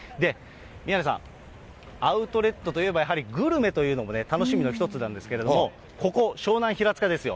宮根さん、アウトレットといえば、やはりグルメというのもね、楽しみの１つなんですけれども、ここ、湘南平塚ですよ。